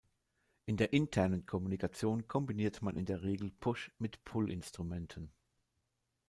In der internen Kommunikation kombiniert man in der Regel Push- mit Pull-Instrumenten.